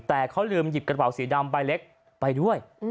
แต่เขาลืมหยิบกระเป๋าสีดำใบเล็กไปด้วย